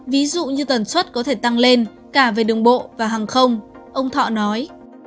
ví dụ như tần suất có thể tăng lên cả về đường bộ và hàng không ông thọ nói